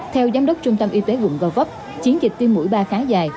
theo giám đốc trung tâm y tế quận covap chiến dịch tiêm mũi ba khá dài